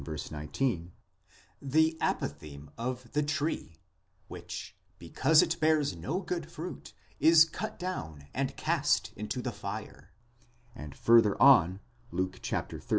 19), the apothegm of the tree, which, because it bears no good fruit, is cut down and cast into the fire ; and further on (Luke xiii.